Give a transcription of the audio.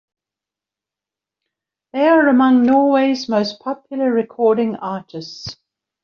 They are among Norway's most popular recording artists.